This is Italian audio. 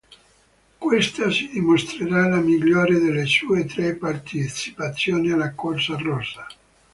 Questa si dimostrerà la migliore delle sue tre partecipazioni alla corsa rosa.